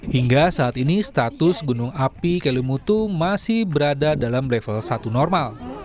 hingga saat ini status gunung api kelimutu masih berada dalam level satu normal